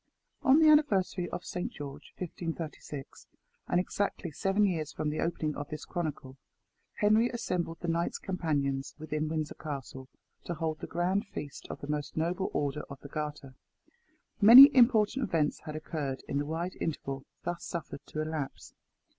ON the anniversary of Saint George, 1536, and exactly seven years from the opening of this chronicle, Henry assembled the knights companions within Windsor Castle to hold the grand feast of the most noble Order of the Garter. Many important events had occurred in the wide interval thus suffered to elapse.